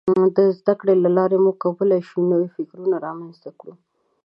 د زدهکړې له لارې موږ کولای شو نوي فکرونه رامنځته کړو.